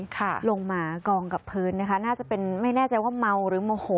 ค่ะลงมากองกับพื้นนะคะน่าจะเป็นไม่แน่ใจว่าเมาหรือโมโห